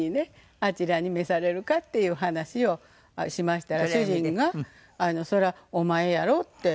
あちらに召されるかっていう話をしましたら主人が「そりゃお前やろ」って。